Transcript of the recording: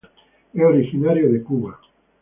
Es originario de Cuba.